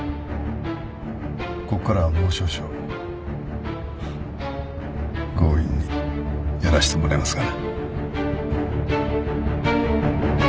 ここからはもう少々強引にやらせてもらいますがね。